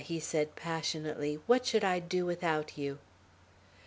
he said passionately, "what should I do without you?"